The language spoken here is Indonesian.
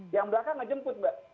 yang belakang ngejemput mbak